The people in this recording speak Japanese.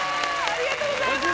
ありがとうございます！